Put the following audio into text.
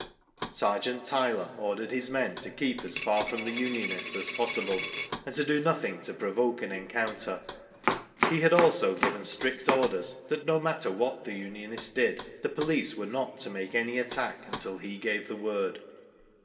Sergeant Tyler ordered his men to keep as far from the unionists as possible, and to do nothing to provoke an encounter. He had also given strict orders that no matter what the unionists did, the police were not to make any attack until he gave the word.